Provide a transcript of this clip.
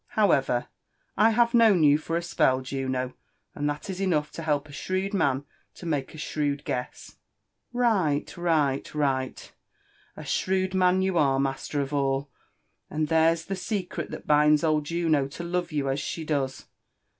However, I have known you for a spell, Juno; and that is enough to help a shrewd man to make a shrewd guess." JONATHAN JEFFERSON WHITLAW. 357 Right, right, right, — a shrewd man you are, master of all 1 and there's the secret that binds old Juno to love you as she does.